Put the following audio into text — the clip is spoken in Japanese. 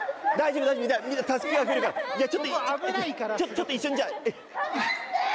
ちょっと一緒にじゃあ。